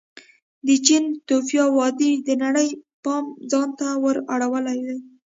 د چین توفا ودې د نړۍ پام ځان ته ور اړولی دی.